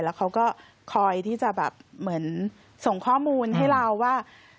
แล้วเขาก็คอยที่จะส่งข้อมูลให้เราว่า